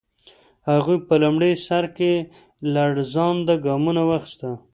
هغوی په لومړي سر کې لړزانده ګامونه واخیستل.